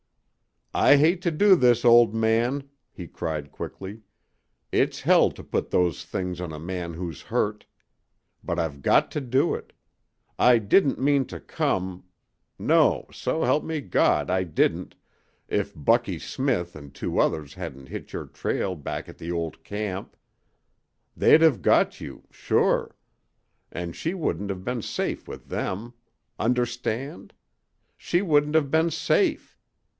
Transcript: "I hate to do this, old man," he cried, quickly. "It's hell to put those things on a man who's hurt. But I've got to do it. I didn't mean to come no, s'elp me God, I didn't if Bucky Smith and two others hadn't hit your trail back at the old camp. They'd have got you sure. And she wouldn't have been safe with them. Understand? She wouldn't have been safe!